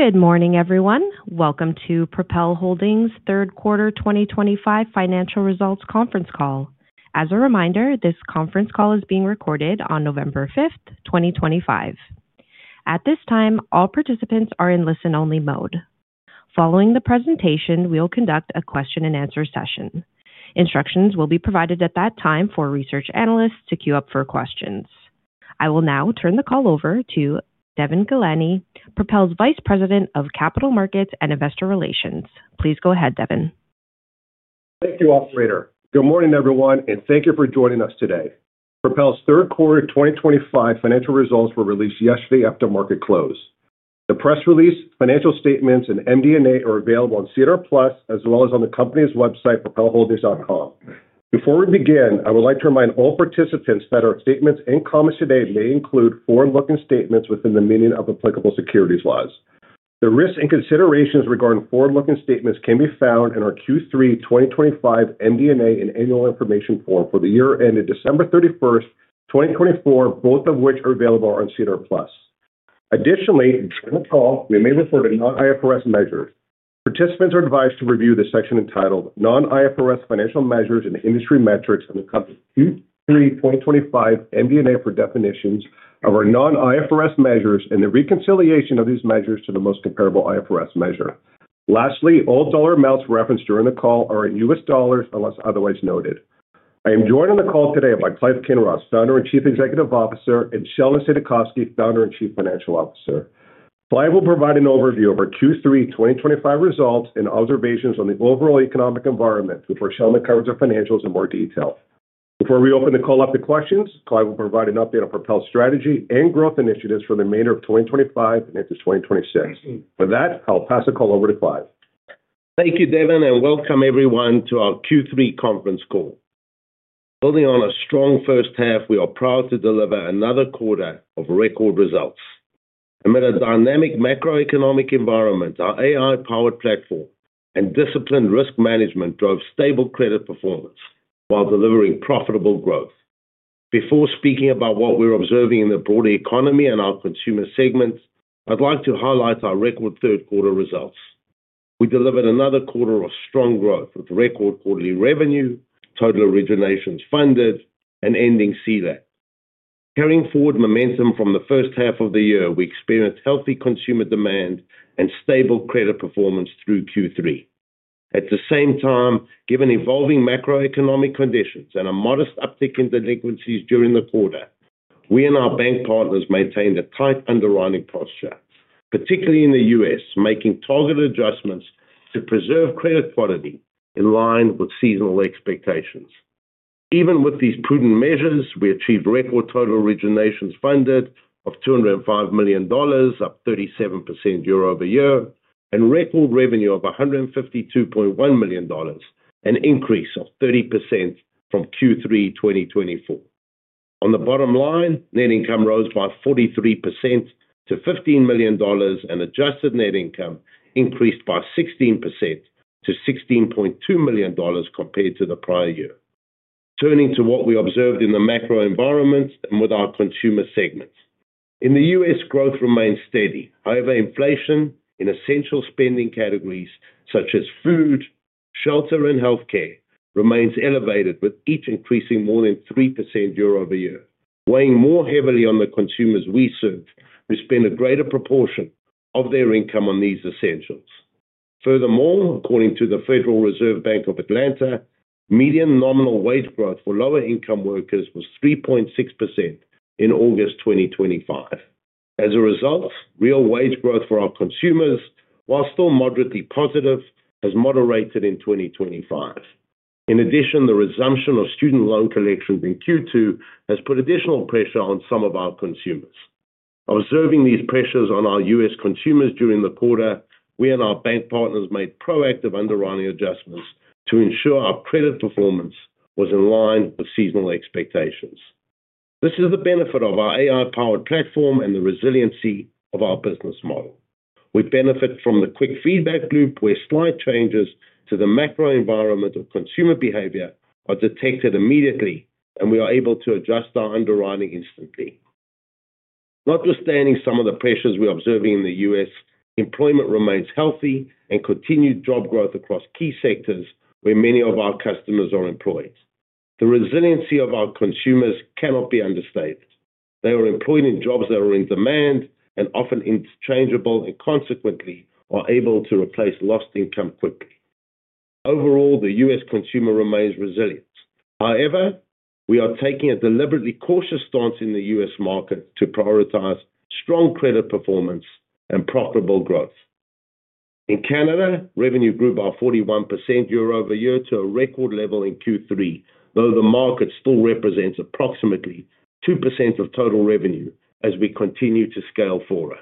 Good morning, everyone. Welcome to Propel Holdings' Third Quarter 2025 Financial Results Conference Call. As a reminder, this conference call is being recorded on November 5th, 2025. At this time, all participants are in listen-only mode. Following the presentation, we'll conduct a question-and-answer session. Instructions will be provided at that time for research analysts to queue up for questions. I will now turn the call over to Devon Ghelani, Propel's Vice President of Capital Markets and Investor Relations. Please go ahead, Devon. Thank you, Office Leader. Good morning, everyone, and thank you for joining us today. Propel's third quarter 2025 financial results were released yesterday after market close. The press release, financial statements, and MD&A are available on SEDAR+ as well as on the company's website, propelholdings.com. Before we begin, I would like to remind all participants that our statements and comments today may include forward-looking statements within the meaning of applicable securities laws. The risks and considerations regarding forward-looking statements can be found in our Q3 2025 MD&A and annual information form for the year ended December 31st, 2024, both of which are available on SEDAR+. Additionally, during the call, we may refer to non-IFRS measures. Participants are advised to review the section entitled Non-IFRS Financial Measures and Industry Metrics and the Company's Q3 2025 MD&A for definitions of our non-IFRS measures and the reconciliation of these measures to the most comparable IFRS measure. Lastly, all dollar amounts referenced during the call are in U.S. dollars unless otherwise noted. I am joined on the call today by Clive Kinross, Founder and Chief Executive Officer, and Sheldon Saidakovsky, Founder and Chief Financial Officer. Clive will provide an overview of our Q3 2025 results and observations on the overall economic environment before Sheldon covers our financials in more detail. Before we open the call up to questions, Clive will provide an update on Propel's strategy and growth initiatives for the remainder of 2025 and into 2026. With that, I'll pass the call over to Clive. Thank you, Devon, and welcome everyone to our Q3 conference call. Building on a strong first half, we are proud to deliver another quarter of record results. Amid a dynamic macroeconomic environment, our AI-powered platform and disciplined risk management drove stable credit performance while delivering profitable growth. Before speaking about what we're observing in the broader economy and our consumer segments, I'd like to highlight our record third-quarter results. We delivered another quarter of strong growth with record quarterly revenue, total originations funded, and ending CDAP. Carrying forward momentum from the first half of the year, we experienced healthy consumer demand and stable credit performance through Q3. At the same time, given evolving macroeconomic conditions and a modest uptick in delinquencies during the quarter, we and our bank partners maintained a tight underwriting posture, particularly in the U.S., making targeted adjustments to preserve credit quality in line with seasonal expectations. Even with these prudent measures, we achieved record total originations funded of $205 million, up 37% year-over-year, and record revenue of $152.1 million, an increase of 30% from Q3 2024. On the bottom line, net income rose by 43% to $15 million, and adjusted net income increased by 16% to $16.2 million compared to the prior year. Turning to what we observed in the macro environment and with our consumer segments, in the U.S., growth remained steady. However, inflation in essential spending categories such as food, shelter, and healthcare remains elevated, with each increasing more than 3% year-over-year, weighing more heavily on the consumers we serve, who spend a greater proportion of their income on these essentials. Furthermore, according to the Federal Reserve Bank of Atlanta, median nominal wage growth for lower-income workers was 3.6% in August 2025. As a result, real wage growth for our consumers, while still moderately positive, has moderated in 2024. In addition, the resumption of student loan collections in Q2 has put additional pressure on some of our consumers. Observing these pressures on our U.S. consumers during the quarter, we and our bank partners made proactive underwriting adjustments to ensure our credit performance was in line with seasonal expectations. This is the benefit of our AI-powered platform and the resiliency of our business model. We benefit from the quick feedback loop, where slight changes to the macro environment of consumer behavior are detected immediately, and we are able to adjust our underwriting instantly. Notwithstanding some of the pressures we're observing in the U.S., employment remains healthy and continued job growth across key sectors where many of our customers are employed. The resiliency of our consumers cannot be understated. They are employed in jobs that are in demand and often interchangeable, and consequently, are able to replace lost income quickly. Overall, the U.S. consumer remains resilient. However, we are taking a deliberately cautious stance in the U.S. market to prioritize strong credit performance and profitable growth. In Canada, revenue grew by 41% year-over-year to a record level in Q3, though the market still represents approximately 2% of total revenue as we continue to scale forward.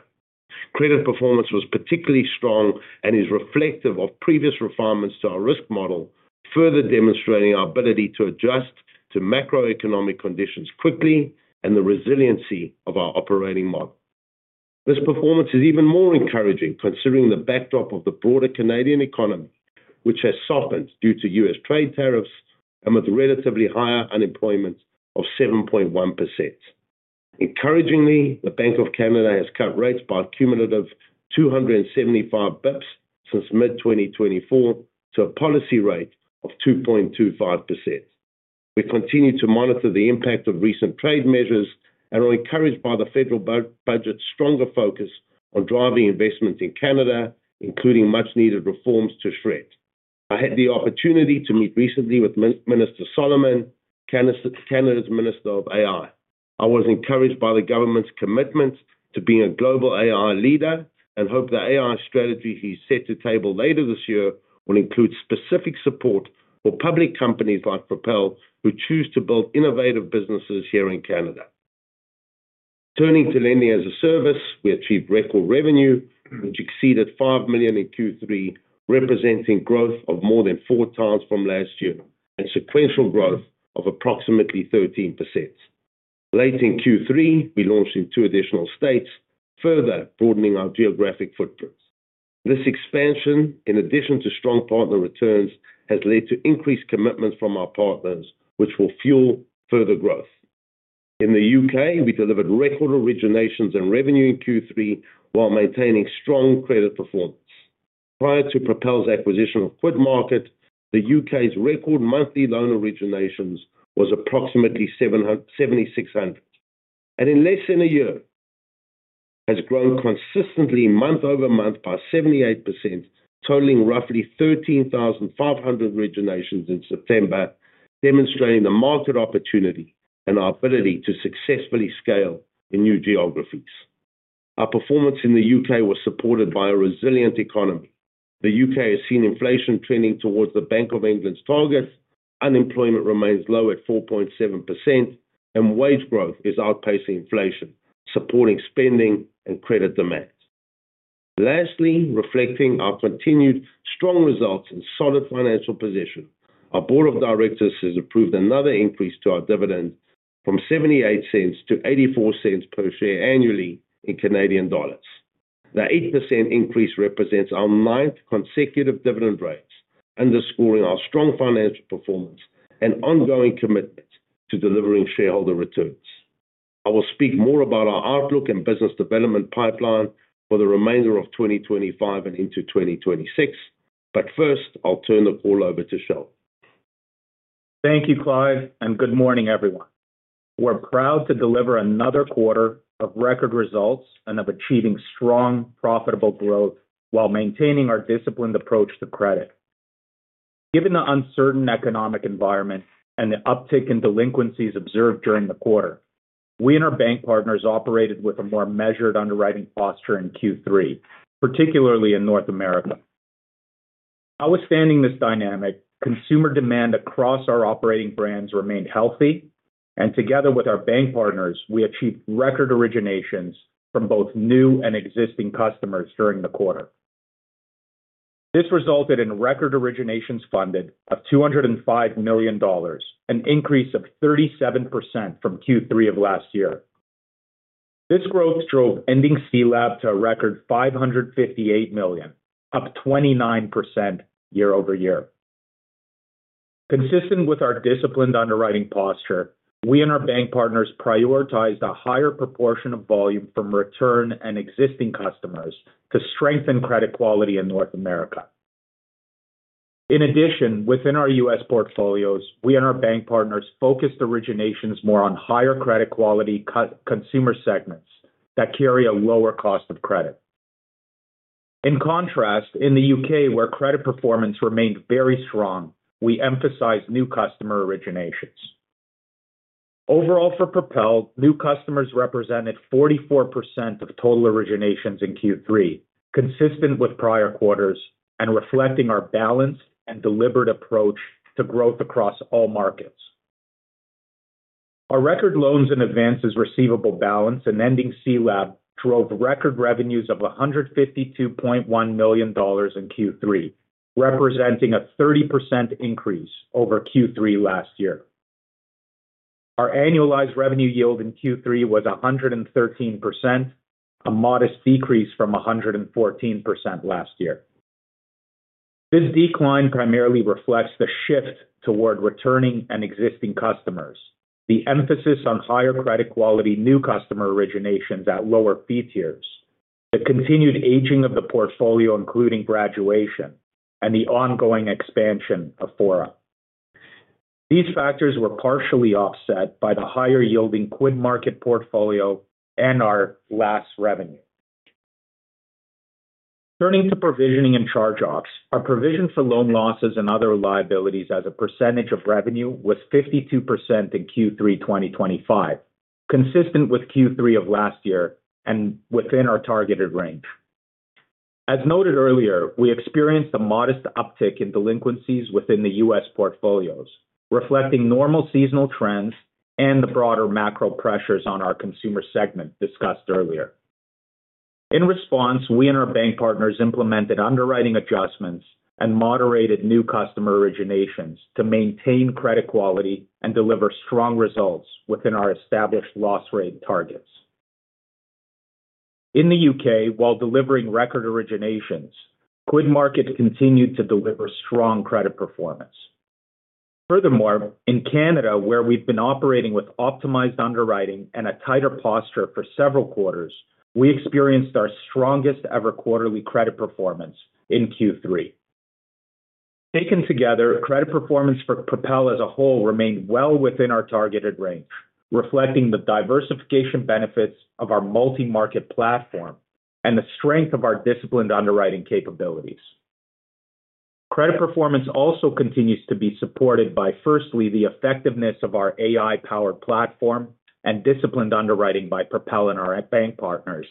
Credit performance was particularly strong and is reflective of previous refinements to our risk model, further demonstrating our ability to adjust to macroeconomic conditions quickly and the resiliency of our operating model. This performance is even more encouraging considering the backdrop of the broader Canadian economy, which has softened due to U.S. trade tariffs and with relatively higher unemployment of 7.1%. Encouragingly, the Bank of Canada has cut rates by a cumulative 275 basis points since mid-2024 to a policy rate of 2.25%. We continue to monitor the impact of recent trade measures and are encouraged by the federal budget's stronger focus on driving investments in Canada, including much-needed reforms to SR&ED. I had the opportunity to meet recently with Minister Solomon, Canada's Minister of AI. I was encouraged by the government's commitment to being a global AI leader and hope the AI strategy he's set to table later this year will include specific support for public companies like Propel, who choose to build innovative businesses here in Canada. Turning to lending as a service, we achieved record revenue, which exceeded $5 million in Q3, representing growth of more than 4x from last year and sequential growth of approximately 13%. Late in Q3, we launched in two additional states, further broadening our geographic footprint. This expansion, in addition to strong partner returns, has led to increased commitment from our partners, which will fuel further growth. In the U.K., we delivered record originations and revenue in Q3 while maintaining strong credit performance. Prior to Propel's acquisition of QuidMarket, the U.K.'s record monthly loan originations was approximately $7,600. In less than a year, it has grown consistently month over month by 78%, totaling roughly 13,500 originations in September. This demonstrates the market opportunity and our ability to successfully scale in new geographies. Our performance in the U.K. was supported by a resilient economy. The U.K. has seen inflation trending towards the Bank of England's targets, unemployment remains low at 4.7%, and wage growth is outpacing inflation, supporting spending and credit demand. Lastly, reflecting our continued strong results and solid financial position, our Board of Directors has approved another increase to our dividend from 0.78 - 0.84 per share annually. The 8% increase represents our ninth consecutive dividend raise, underscoring our strong financial performance and ongoing commitment to delivering shareholder returns. I will speak more about our outlook and business development pipeline for the remainder of 2025 and into 2026, but first, I'll turn the call over to Sheldon. Thank you, Clive, and good morning, everyone. We're proud to deliver another quarter of record results and of achieving strong, profitable growth while maintaining our disciplined approach to credit. Given the uncertain economic environment and the uptick in delinquencies observed during the quarter, we and our bank partners operated with a more measured underwriting posture in Q3, particularly in North America. Outstanding this dynamic, consumer demand across our operating brands remained healthy, and together with our bank partners, we achieved record originations from both new and existing customers during the quarter. This resulted in record originations funded of $205 million, an increase of 37% from Q3 of last year. This growth drove ending CDAP to a record $558 million, up 29% year-over-year. Consistent with our disciplined underwriting posture, we and our bank partners prioritized a higher proportion of volume from return and existing customers to strengthen credit quality in North America. In addition, within our U.S. portfolios, we and our bank partners focused originations more on higher credit quality consumer segments that carry a lower cost of credit. In contrast, in the U.K., where credit performance remained very strong, we emphasized new customer originations. Overall, for Propel, new customers represented 44% of total originations in Q3, consistent with prior quarters and reflecting our balanced and deliberate approach to growth across all markets. Our record loans and advances receivable balance and ending CDAP drove record revenues of $152.1 million in Q3, representing a 30% increase over Q3 last year. Our annualized revenue yield in Q3 was 113%, a modest decrease from 114% last year. This decline primarily reflects the shift toward returning and existing customers, the emphasis on higher credit quality, new customer originations at lower fee tiers, the continued aging of the portfolio, including graduation, and the ongoing expansion of Fora. These factors were partially offset by the higher-yielding QuidMarket portfolio and our last revenue. Turning to provisioning and charge-offs, our provision for loan losses and other liabilities as a percentage of revenue was 52% in Q3 2025, consistent with Q3 of last year and within our targeted range. As noted earlier, we experienced a modest uptick in delinquencies within the U.S. portfolios, reflecting normal seasonal trends and the broader macro pressures on our consumer segment discussed earlier. In response, we and our bank partners implemented underwriting adjustments and moderated new customer originations to maintain credit quality and deliver strong results within our established loss rate targets. In the U.K., while delivering record originations, QuidMarket continued to deliver strong credit performance. Furthermore, in Canada, where we've been operating with optimized underwriting and a tighter posture for several quarters, we experienced our strongest ever quarterly credit performance in Q3. Taken together, credit performance for Propel as a whole remained well within our targeted range, reflecting the diversification benefits of our multi-market platform and the strength of our disciplined underwriting capabilities. Credit performance also continues to be supported by, firstly, the effectiveness of our AI-powered platform and disciplined underwriting by Propel and our bank partners,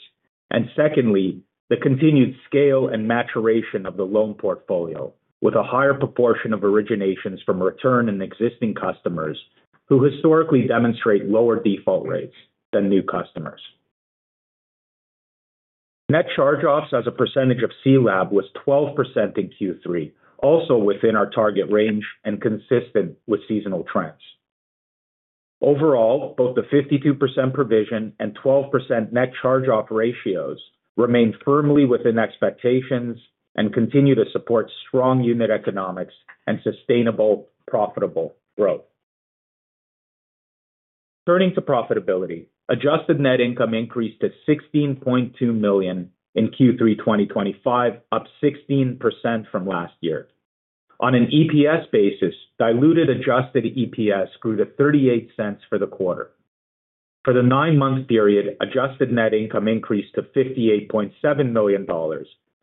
and secondly, the continued scale and maturation of the loan portfolio, with a higher proportion of originations from return and existing customers who historically demonstrate lower default rates than new customers. Net charge-offs as a percentage of CDAP was 12% in Q3, also within our target range and consistent with seasonal trends. Overall, both the 52% provision and 12% net charge-off ratios remain firmly within expectations and continue to support strong unit economics and sustainable profitable growth. Turning to profitability, adjusted net income increased to $16.2 million in Q3 2025, up 16% from last year. On an EPS basis, diluted adjusted EPS grew to $0.38 for the quarter. For the nine-month period, adjusted net income increased to $58.7 million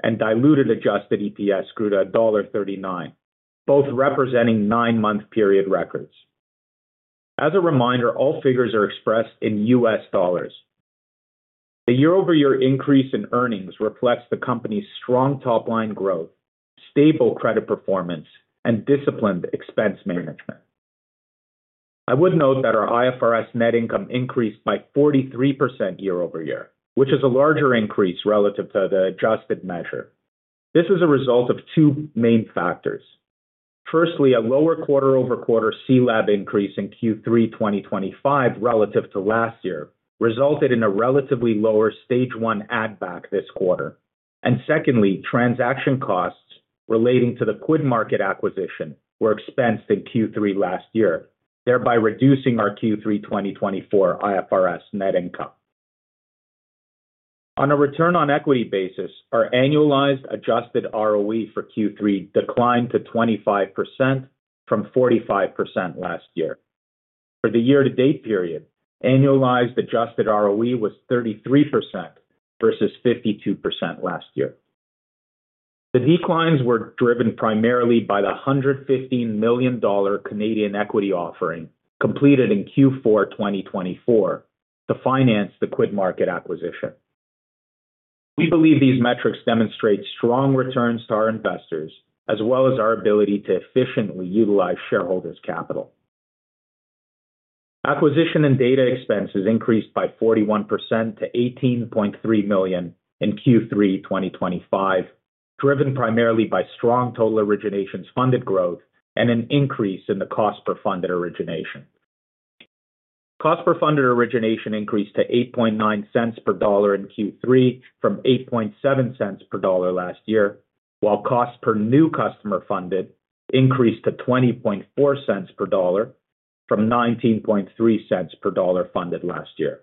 and diluted adjusted EPS grew to $1.39, both representing nine-month period records. As a reminder, all figures are expressed in U.S. dollars. The year-over-year increase in earnings reflects the company's strong top-line growth, stable credit performance, and disciplined expense management. I would note that our IFRS net income increased by 43% year-over-year, which is a larger increase relative to the adjusted measure. This is a result of two main factors. Firstly, a lower quarter-over-quarter CDAP increase in Q3 2025 relative to last year resulted in a relatively lower stage one add-back this quarter. Secondly, transaction costs relating to the QuidMarket acquisition were expensed in Q3 last year, thereby reducing our Q3 2024 IFRS net income. On a return on equity basis, our annualized adjusted ROE for Q3 declined to 25% from 45% last year. For the year-to-date period, annualized adjusted ROE was 33% versus 52% last year. The declines were driven primarily by the 115 million Canadian dollars equity offering completed in Q4 2024 to finance the QuidMarket acquisition. We believe these metrics demonstrate strong returns to our investors, as well as our ability to efficiently utilize shareholders' capital. Acquisition and data expenses increased by 41% to $18.3 million in Q3 2025, driven primarily by strong total originations funded growth and an increase in the cost per funded origination. Cost per funded origination increased to 0.89 per dollar in Q3 from 0.87 per dollar last year, while cost per new customer funded increased to 0.24 per dollar from 0.19 per dollar funded last year.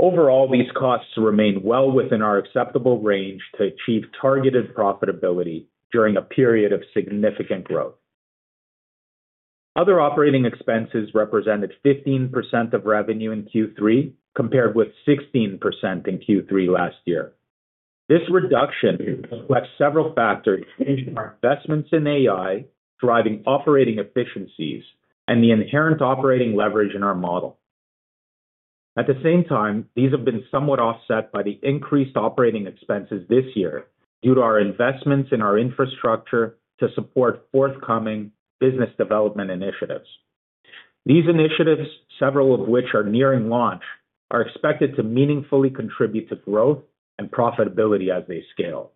Overall, these costs remain well within our acceptable range to achieve targeted profitability during a period of significant growth. Other operating expenses represented 15% of revenue in Q3 compared with 16% in Q3 last year. This reduction reflects several factors in our investments in AI, driving operating efficiencies and the inherent operating leverage in our model. At the same time, these have been somewhat offset by the increased operating expenses this year due to our investments in our infrastructure to support forthcoming business development initiatives. These initiatives, several of which are nearing launch, are expected to meaningfully contribute to growth and profitability as they scale.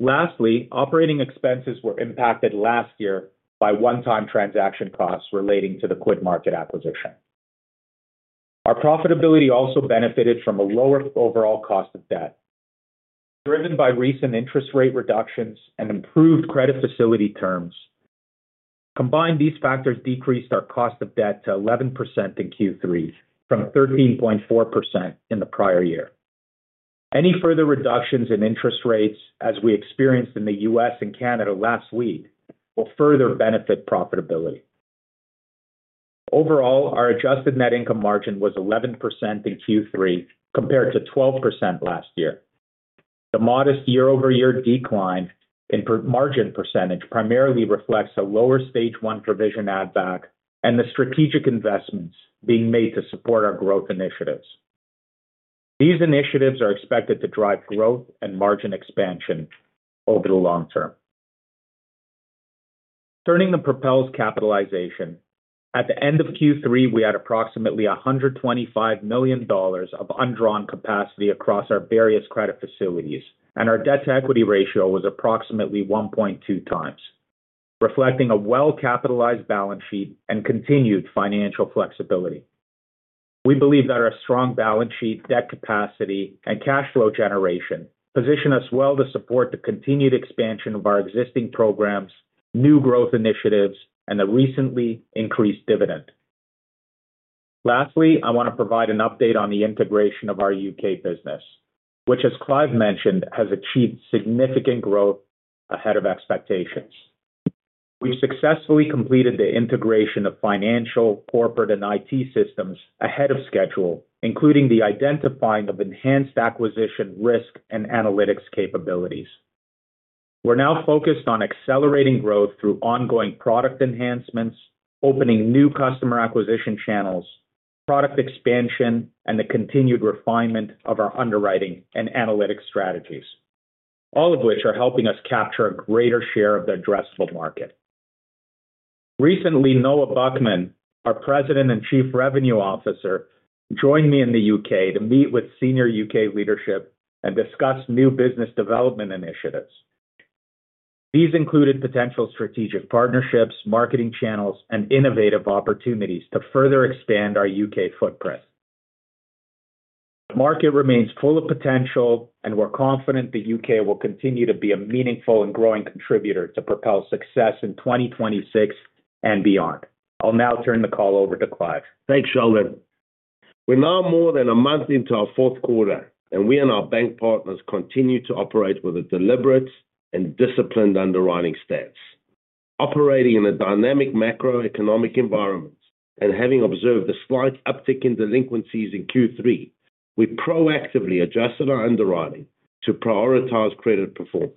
Lastly, operating expenses were impacted last year by one-time transaction costs relating to the QuidMarket acquisition. Our profitability also benefited from a lower overall cost of debt, driven by recent interest rate reductions and improved credit facility terms. Combined, these factors decreased our cost of debt to 11% in Q3 from 13.4% in the prior year. Any further reductions in interest rates, as we experienced in the U.S. and Canada last week, will further benefit profitability. Overall, our adjusted net income margin was 11% in Q3 compared to 12% last year. The modest year-over-year decline in margin percentage primarily reflects a lower stage one provision add-back and the strategic investments being made to support our growth initiatives. These initiatives are expected to drive growth and margin expansion over the long term. Turning to Propel's capitalization, at the end of Q3, we had approximately $125 million of undrawn capacity across our various credit facilities, and our debt-to-equity ratio was approximately 1.2x, reflecting a well-capitalized balance sheet and continued financial flexibility. We believe that our strong balance sheet, debt capacity, and cash flow generation position us well to support the continued expansion of our existing programs, new growth initiatives, and the recently increased dividend. Lastly, I want to provide an update on the integration of our U.K. business, which, as Clive mentioned, has achieved significant growth ahead of expectations. We've successfully completed the integration of financial, corporate, and IT systems ahead of schedule, including the identifying of enhanced acquisition risk and analytics capabilities. We're now focused on accelerating growth through ongoing product enhancements, opening new customer acquisition channels, product expansion, and the continued refinement of our underwriting and analytics strategies, all of which are helping us capture a greater share of the addressable market. Recently, Noah Buchman, our President and Chief Revenue Officer, joined me in the U.K. to meet with senior U.K. leadership and discuss new business development initiatives. These included potential strategic partnerships, marketing channels, and innovative opportunities to further expand our U.K. footprint. The market remains full of potential, and we're confident the U.K. will continue to be a meaningful and growing contributor to Propel's success in 2026 and beyond. I'll now turn the call over to Clive. Thanks, Sheldon. We're now more than a month into our fourth quarter, and we and our bank partners continue to operate with a deliberate and disciplined underwriting stance. Operating in a dynamic macroeconomic environment and having observed the slight uptick in delinquencies in Q3, we proactively adjusted our underwriting to prioritize credit performance.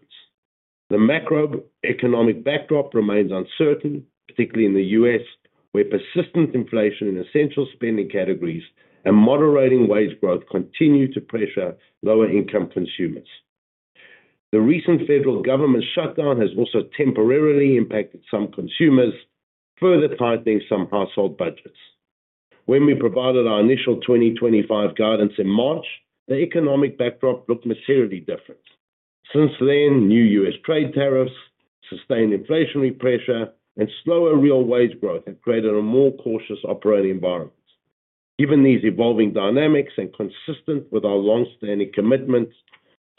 The macroeconomic backdrop remains uncertain, particularly in the U.S., where persistent inflation in essential spending categories and moderating wage growth continue to pressure lower-income consumers. The recent federal government shutdown has also temporarily impacted some consumers, further tightening some household budgets. When we provided our initial 2025 guidance in March, the economic backdrop looked materially different. Since then, new U.S. trade tariffs, sustained inflationary pressure, and slower real wage growth have created a more cautious operating environment. Given these evolving dynamics and consistent with our longstanding commitment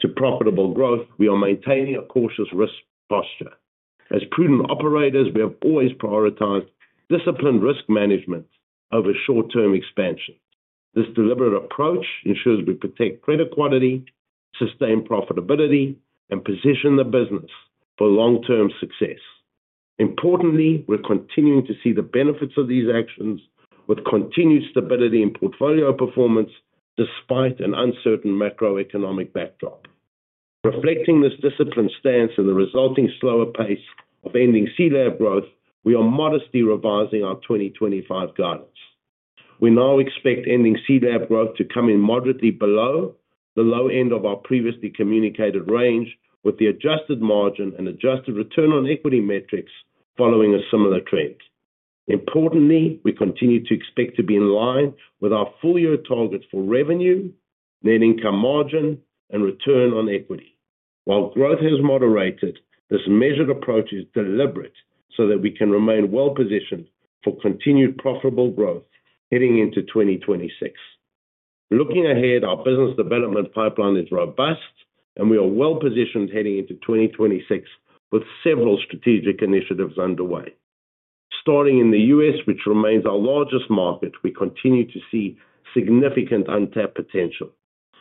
to profitable growth, we are maintaining a cautious risk posture. As prudent operators, we have always prioritized disciplined risk management over short-term expansion. This deliberate approach ensures we protect credit quality, sustain profitability, and position the business for long-term success. Importantly, we're continuing to see the benefits of these actions with continued stability in portfolio performance despite an uncertain macroeconomic backdrop. Reflecting this disciplined stance and the resulting slower pace of ending CDAP growth, we are modestly revising our 2025 guidance. We now expect ending CDAP growth to come in moderately below the low end of our previously communicated range, with the adjusted margin and adjusted return on equity metrics following a similar trend. Importantly, we continue to expect to be in line with our full-year targets for revenue, net income margin, and return on equity. While growth has moderated, this measured approach is deliberate so that we can remain well-positioned for continued profitable growth heading into 2026. Looking ahead, our business development pipeline is robust, and we are well-positioned heading into 2026 with several strategic initiatives underway. Starting in the U.S., which remains our largest market, we continue to see significant untapped potential.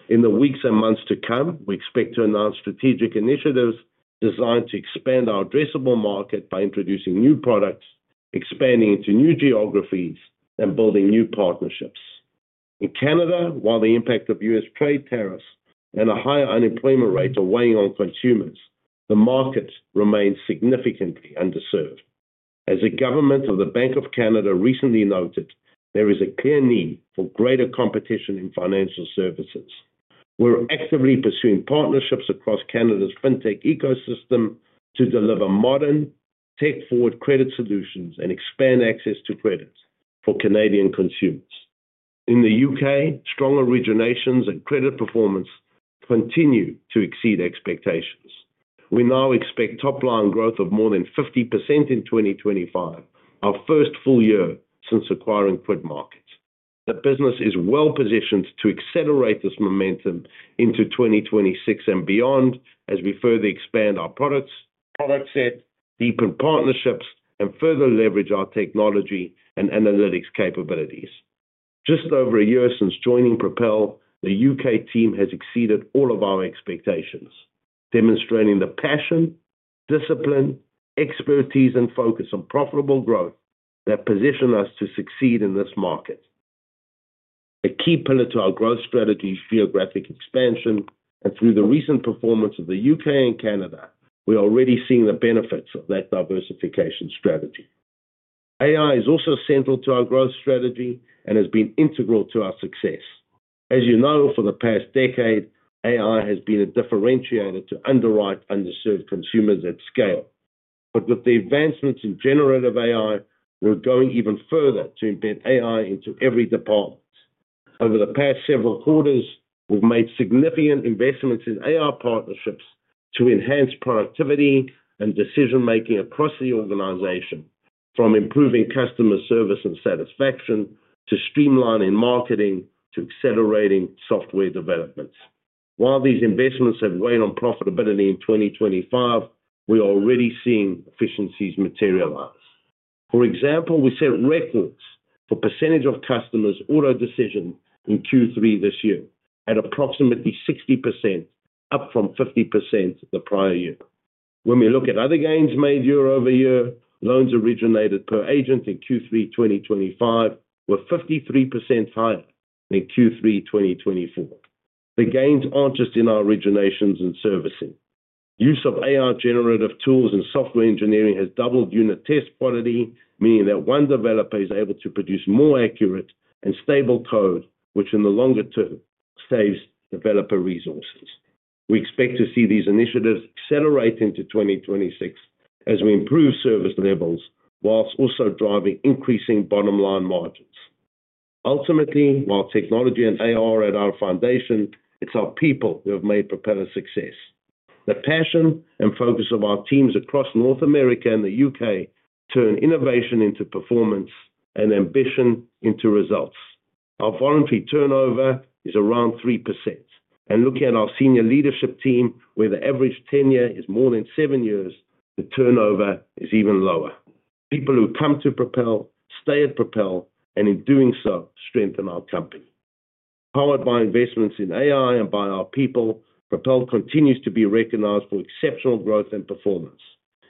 In the weeks and months to come, we expect to announce strategic initiatives designed to expand our addressable market by introducing new products, expanding into new geographies, and building new partnerships. In Canada, while the impact of U.S. trade tariffs and a higher unemployment rate are weighing on consumers, the market remains significantly underserved. As a Governor of the Bank of Canada recently noted, there is a clear need for greater competition in financial services. We're actively pursuing partnerships across Canada's fintech ecosystem to deliver modern, tech-forward credit solutions and expand access to credit for Canadian consumers. In the U.K., strong originations and credit performance continue to exceed expectations. We now expect top-line growth of more than 50% in 2025, our first full year since acquiring QuidMarket. The business is well-positioned to accelerate this momentum into 2026 and beyond as we further expand our products, product set, deepen partnerships, and further leverage our technology and analytics capabilities. Just over a year since joining Propel, the U.K. team has exceeded all of our expectations, demonstrating the passion, discipline, expertise, and focus on profitable growth that position us to succeed in this market. A key pillar to our growth strategy is geographic expansion, and through the recent performance of the U.K. and Canada, we're already seeing the benefits of that diversification strategy. AI is also central to our growth strategy and has been integral to our success. As you know, for the past decade, AI has been a differentiator to underwrite underserved consumers at scale. With the advancements in generative AI, we're going even further to embed AI into every department. Over the past several quarters, we've made significant investments in AI partnerships to enhance productivity and decision-making across the organization, from improving customer service and satisfaction to streamlining marketing to accelerating software development. While these investments have weighed on profitability in 2025, we are already seeing efficiencies materialize. For example, we set records for percentage of customers' auto decision in Q3 this year at approximately 60%, up from 50% the prior year. When we look at other gains made year-over-year, loans originated per agent in Q3 2025 were 53% higher than Q3 2024. The gains aren't just in our originations and servicing. Use of AI generative tools and software engineering has doubled unit test quality, meaning that one developer is able to produce more accurate and stable code, which in the longer term saves developer resources. We expect to see these initiatives accelerate into 2026 as we improve service levels whilst also driving increasing bottom-line margins. Ultimately, while technology and AI are at our foundation, it's our people who have made Propel a success. The passion and focus of our teams across North America and the U.K. turn innovation into performance and ambition into results. Our voluntary turnover is around 3%, and looking at our senior leadership team, where the average tenure is more than seven years, the turnover is even lower. People who come to Propel, stay at Propel, and in doing so, strengthen our company. Powered by investments in AI and by our people, Propel continues to be recognized for exceptional growth and performance.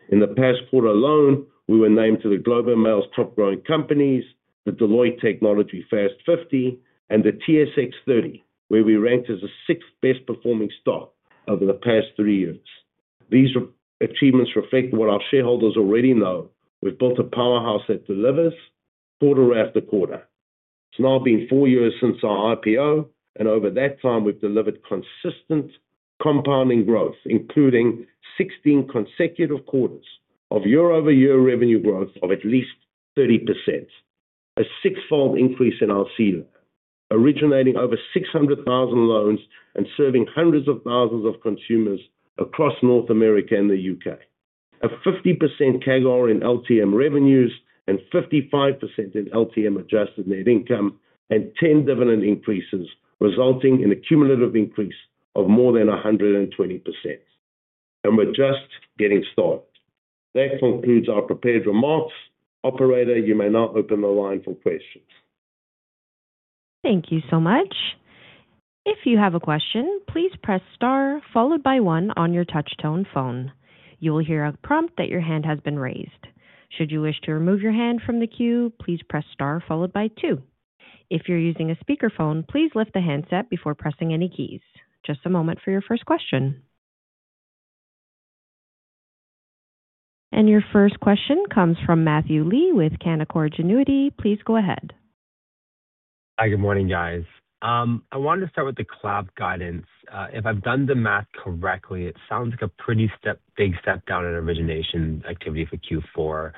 In the past quarter alone, we were named to the Globe and Mail's Top Growing Companies, the Deloitte Technology Fast 50, and the TSX 30, where we ranked as the sixth best-performing stock over the past three years. These achievements reflect what our shareholders already know. We've built a powerhouse that delivers quarter-after-quarter. It's now been four years since our IPO, and over that time, we've delivered consistent compounding growth, including 16 consecutive quarters of year-over-year revenue growth of at least 30%. A six-fold increase in our CDAP, originating over 600,000 loans and serving hundreds of thousands of consumers across North America and the U.K., a 50% CAGR in LTM revenues and 55% in LTM adjusted net income, and 10 dividend increases, resulting in a cumulative increase of more than 120%. We are just getting started. That concludes our prepared remarks. Operator, you may now open the line for questions. Thank you so much. If you have a question, please press star followed by one on your touch-tone phone. You will hear a prompt that your hand has been raised. Should you wish to remove your hand from the queue, please press star followed by two. If you are using a speakerphone, please lift the handset before pressing any keys. Just a moment for your first question. Your first question comes from Matthew Lee with Canaccord Genuity. Please go ahead. Hi, good morning, guys. I wanted to start with the Cloud Guidance. If I've done the math correctly, it sounds like a pretty big step down in origination activity for Q4,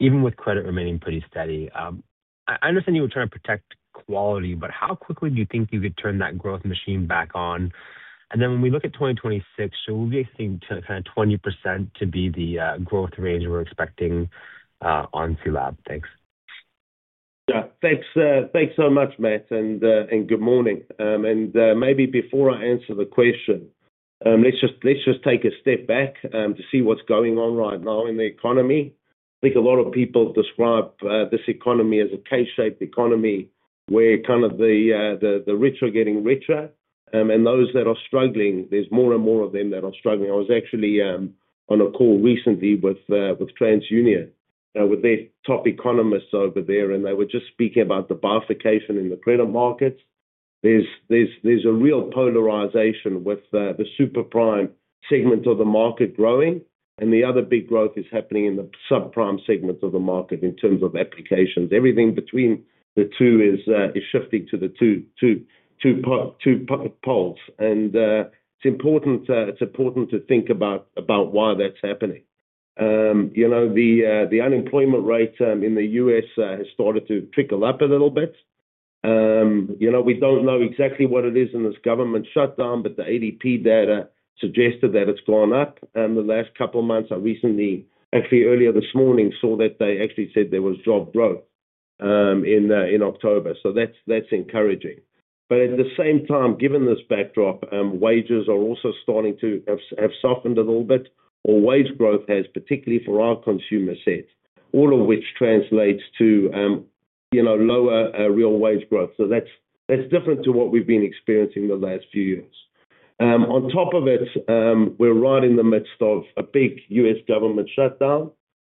even with credit remaining pretty steady. I understand you were trying to protect quality, but how quickly do you think you could turn that growth machine back on? When we look at 2026, should we be seeing kind of 20% to be the growth range we're expecting on CDAP? Thanks. Yeah, thanks so much, Matt, and good morning. Maybe before I answer the question, let's just take a step back to see what's going on right now in the economy. I think a lot of people describe this economy as a K-shaped economy where kind of the rich are getting richer, and those that are struggling, there's more and more of them that are struggling. I was actually on a call recently with TransUnion, with their top economists over there, and they were just speaking about the bifurcation in the credit markets. There's a real polarization with the superprime segment of the market growing, and the other big growth is happening in the subprime segment of the market in terms of applications. Everything between the two is shifting to the two poles, and it's important to think about why that's happening. The unemployment rate in the U.S. has started to trickle up a little bit. We don't know exactly what it is in this government shutdown, but the ADP data suggested that it's gone up in the last couple of months. I recently, actually earlier this morning, saw that they actually said there was job growth in October. That is encouraging. At the same time, given this backdrop, wages are also starting to have softened a little bit, or wage growth has, particularly for our consumer set, all of which translates to lower real wage growth. That is different to what we have been experiencing the last few years. On top of it, we are right in the midst of a big U.S. government shutdown,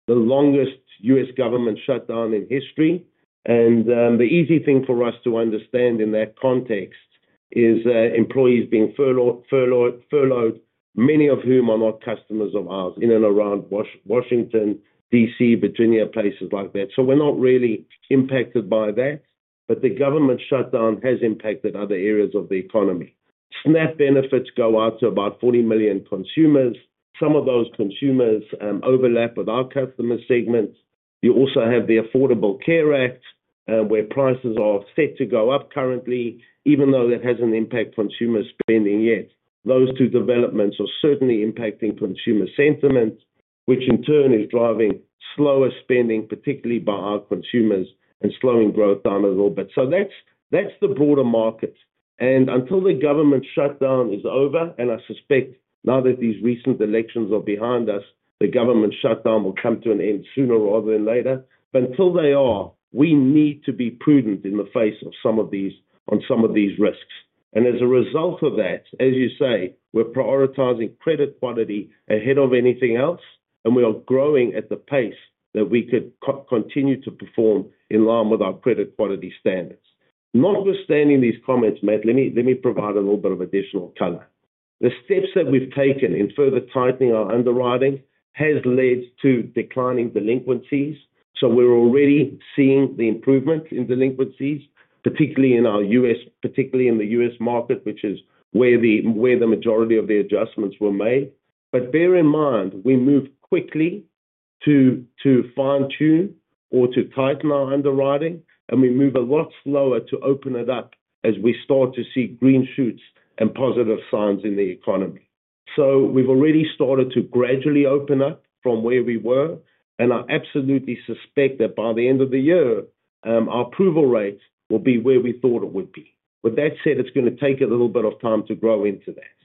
the longest U.S. government shutdown in history. The easy thing for us to understand in that context is employees being furloughed, many of whom are not customers of ours in and around Washington, DC, Virginia, places like that. We are not really impacted by that, but the government shutdown has impacted other areas of the economy. SNAP benefits go out to about 40 million consumers. Some of those consumers overlap with our customer segments. You also have the Affordable Care Act, where prices are set to go up currently, even though that has not impacted consumer spending yet. Those two developments are certainly impacting consumer sentiment, which in turn is driving slower spending, particularly by our consumers, and slowing growth down a little bit. That is the broader market. Until the government shutdown is over, and I suspect now that these recent elections are behind us, the government shutdown will come to an end sooner rather than later. Until they are, we need to be prudent in the face of some of these risks. As a result of that, as you say, we are prioritizing credit quality ahead of anything else, and we are growing at the pace that we could continue to perform in line with our credit quality standards. Notwithstanding these comments, Matt, let me provide a little bit of additional color. The steps that we've taken in further tightening our underwriting have led to declining delinquencies. We're already seeing the improvement in delinquencies, particularly in our U.S., particularly in the U.S. market, which is where the majority of the adjustments were made. Bear in mind, we move quickly to fine-tune or to tighten our underwriting, and we move a lot slower to open it up as we start to see green shoots and positive signs in the economy. We've already started to gradually open up from where we were, and I absolutely suspect that by the end of the year, our approval rate will be where we thought it would be. With that said, it's going to take a little bit of time to grow into that.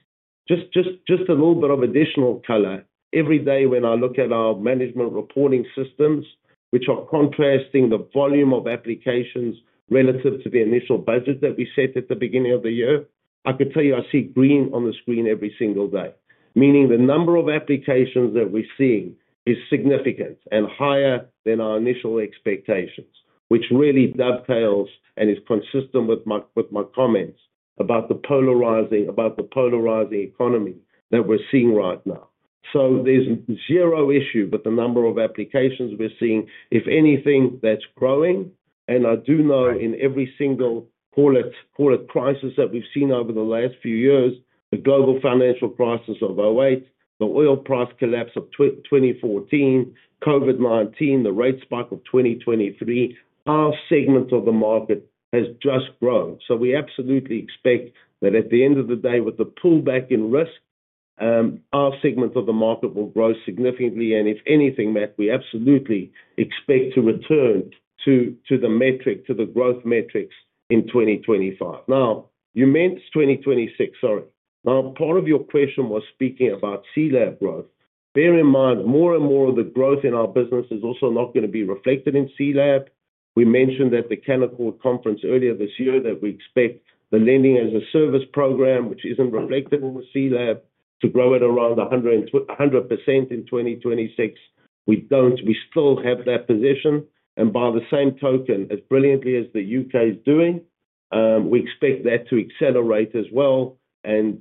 Just a little bit of additional color. Every day when I look at our management reporting systems, which are contrasting the volume of applications relative to the initial budget that we set at the beginning of the year, I could tell you I see green on the screen every single day, meaning the number of applications that we're seeing is significant and higher than our initial expectations, which really dovetails and is consistent with my comments about the polarizing economy that we're seeing right now. There is zero issue with the number of applications we're seeing. If anything, that's growing. I do know in every single crisis that we've seen over the last few years, the global financial crisis of 2008, the oil price collapse of 2014, COVID-19, the rate spike of 2023, our segment of the market has just grown. We absolutely expect that at the end of the day, with the pullback in risk, our segment of the market will grow significantly. If anything, Matt, we absolutely expect to return to the metric, to the growth metrics in 2025. Now, you meant 2026, sorry. Part of your question was speaking about CDAP growth. Bear in mind, more and more of the growth in our business is also not going to be reflected in CDAP. We mentioned at the Canaccord conference earlier this year that we expect the Lending as a Service program, which is not reflected in the CDAP, to grow at around 100% in 2026. We still have that position. By the same token, as brilliantly as the U.K. is doing, we expect that to accelerate as well and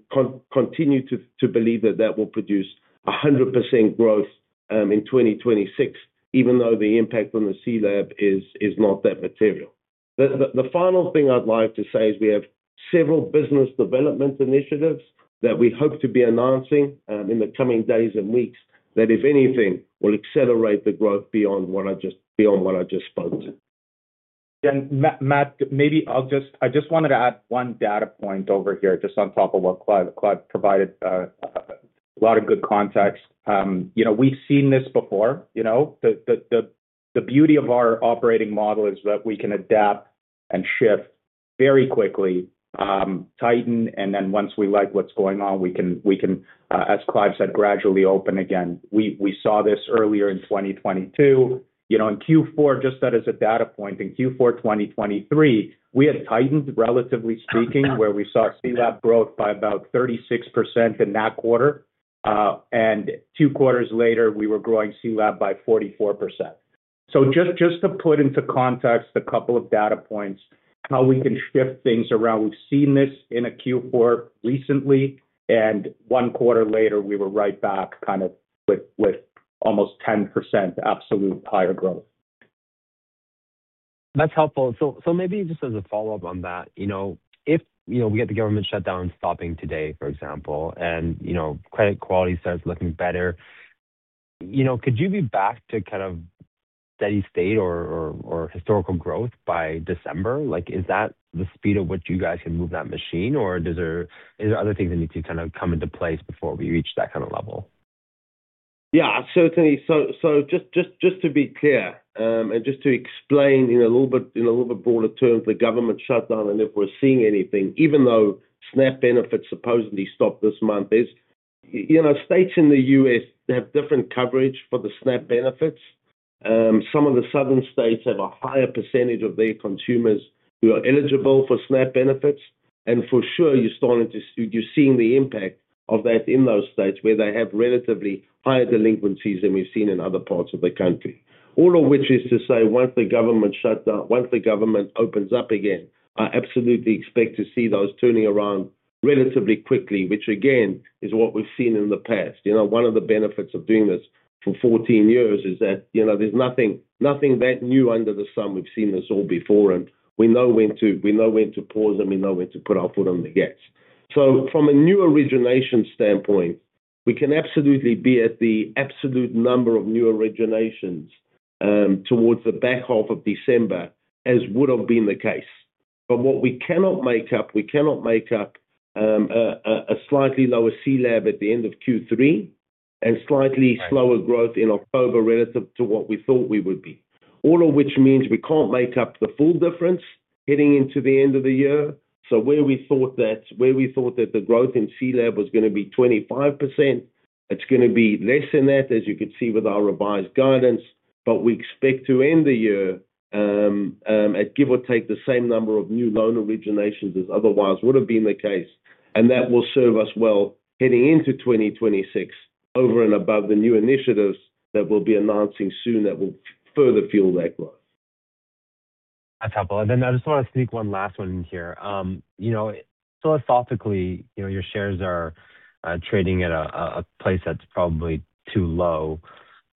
continue to believe that that will produce 100% growth in 2026, even though the impact on the CDAP is not that material. The final thing I'd like to say is we have several business development initiatives that we hope to be announcing in the coming days and weeks that, if anything, will accelerate the growth beyond what I just spoke to. Matt, maybe I'll just—I just wanted to add one data point over here, just on top of what Clive provided. A lot of good context. We've seen this before. The beauty of our operating model is that we can adapt and shift very quickly. Tighten, and then once we like what's going on, we can, as Clive said, gradually open again. We saw this earlier in 2022. In Q4, just that as a data point, in Q4 2023, we had tightened, relatively speaking, where we saw CDAP growth by about 36% in that quarter. And two quarters later, we were growing CDAP by 44%. Just to put into context a couple of data points, how we can shift things around, we've seen this in a Q4 recently, and one quarter later, we were right back kind of with almost 10% absolute higher growth. That's helpful. Maybe just as a follow-up on that. If we get the government shutdown stopping today, for example, and credit quality starts looking better, could you be back to kind of steady state or historical growth by December? Is that the speed at which you guys can move that machine, or are there other things that need to kind of come into place before we reach that kind of level? Yeah, certainly. Just to be clear and just to explain in a little bit broader terms, the government shutdown, and if we're seeing anything, even though SNAP benefits supposedly stopped this month. States in the U.S. have different coverage for the SNAP benefits. Some of the southern states have a higher percentage of their consumers who are eligible for SNAP benefits. For sure, you're starting to—you are seeing the impact of that in those states where they have relatively higher delinquencies than we've seen in other parts of the country. All of which is to say, once the government shutdown, once the government opens up again, I absolutely expect to see those turning around relatively quickly, which again is what we've seen in the past. One of the benefits of doing this for 14 years is that there's nothing that new under the sun. We've seen this all before, and we know when to pause, and we know when to put our foot on the gas. From a new origination standpoint, we can absolutely be at the absolute number of new originations towards the back half of December, as would have been the case. What we cannot make up, we cannot make up. A slightly lower CDAP at the end of Q3 and slightly slower growth in October relative to what we thought we would be. All of which means we cannot make up the full difference heading into the end of the year. Where we thought that the growth in CDAP was going to be 25%, it is going to be less than that, as you can see with our revised guidance. We expect to end the year. At give or take the same number of new loan originations as otherwise would have been the case. That will serve us well heading into 2026 over and above the new initiatives that we'll be announcing soon that will further fuel that growth. That's helpful. I just want to sneak one last one in here. Philosophically, your shares are trading at a place that's probably too low.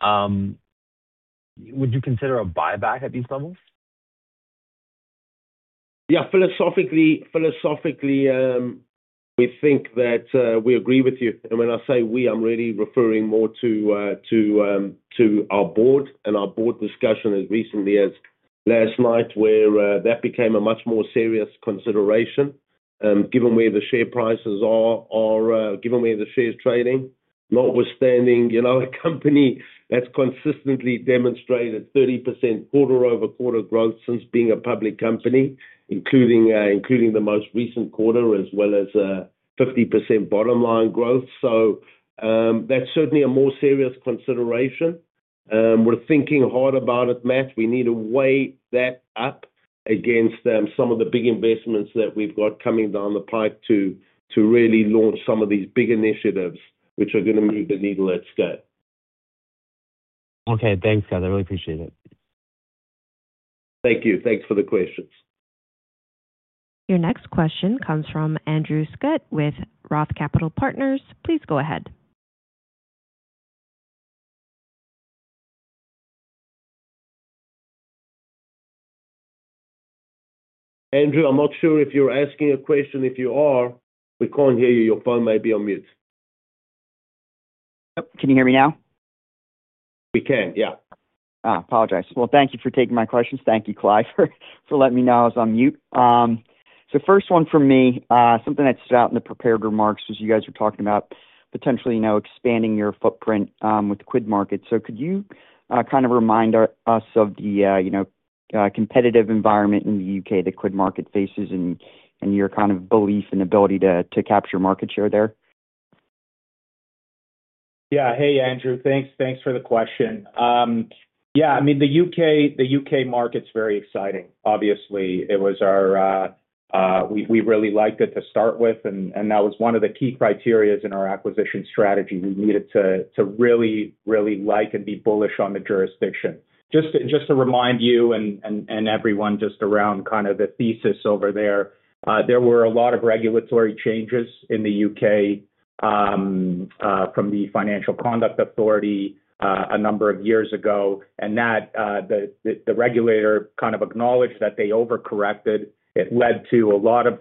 Would you consider a buyback at these levels? Yeah, philosophically. We think that we agree with you. When I say we, I'm really referring more to our board and our board discussion as recently as last night, where that became a much more serious consideration given where the share prices are, given where the shares are trading. Notwithstanding, a company that's consistently demonstrated 30% quarter-over-quarter growth since being a public company, including the most recent quarter, as well as a 50% bottom line growth. That is certainly a more serious consideration. We're thinking hard about it, Matt. We need to weigh that up against some of the big investments that we've got coming down the pipe to really launch some of these big initiatives which are going to move the needle at scale. Okay, thanks, guys. I really appreciate it. Thank you. Thanks for the questions. Your next question comes from Andrew Skutt with Roth Capital Partners. Please go ahead. Andrew, I'm not sure if you're asking a question. If you are, we can't hear you. Your phone might be on mute. Yep. Can you hear me now? We can, yeah. Apologize. Thank you for taking my questions. Thank you, Clive, for letting me know I was on mute. First one for me, something that stood out in the prepared remarks was you guys were talking about potentially expanding your footprint with the QuidMarket. Could you kind of remind us of the competitive environment in the U.K. that QuidMarket faces and your kind of belief and ability to capture market share there? Yeah. Hey, Andrew. Thanks for the question. Yeah, I mean, the U.K. market's very exciting. Obviously, it was our— We really liked it to start with, and that was one of the key criteria in our acquisition strategy. We needed to really, really like and be bullish on the jurisdiction. Just to remind you and everyone just around kind of the thesis over there, there were a lot of regulatory changes in the U.K. From the Financial Conduct Authority a number of years ago. That regulator kind of acknowledged that they overcorrected. It led to a lot of